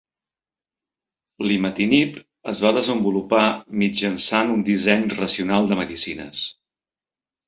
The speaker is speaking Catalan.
L'imatinib es va desenvolupar mitjançant un disseny racional de medicines.